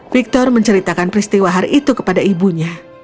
victor menceritakan peristiwa hari itu kepada ibunya